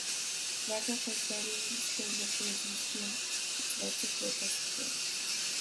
Praka jaisteari buruzko ulertu ez nizkion hitz batzuk bota zituen.